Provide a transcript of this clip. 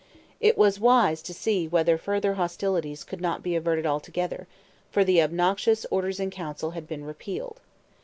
It was wise to see whether further hostilities could not be averted altogether; for the obnoxious Orders in Council had been repealed.